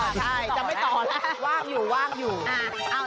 ใช่จะไม่ต่อแล้วว่างอยู่อยู่ต่อแล้ว